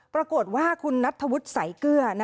ปรากฏว่าคุณนัทธวุฒิสายเกลือ